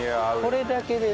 これだけでね。